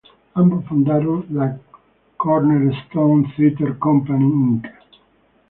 Ambos fundaron la Cornerstone Theater Company Inc.